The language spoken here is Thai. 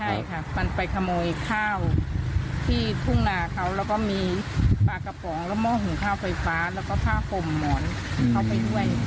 ใช่ค่ะมันไปขโมยข้าวที่ทุ่งนาเขาแล้วก็มีปลากระป๋องแล้วหม้อหุงข้าวไฟฟ้าแล้วก็ผ้าห่มหมอนเข้าไปด้วย